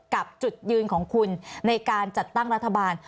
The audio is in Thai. จุดยืนของคุณในการจัดตั้งรัฐบาล